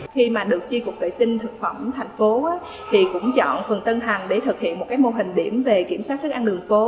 khi mà được chi cục vệ sinh thực phẩm thành phố thì cũng chọn phường tân thành để thực hiện một mô hình điểm về kiểm soát thức ăn đường phố